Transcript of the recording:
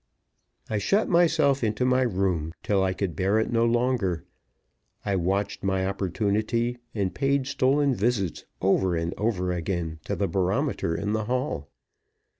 I shut myself into my room till I could bear it no longer. I watched my opportunity, and paid stolen visits over and over again to the barometer in the hall.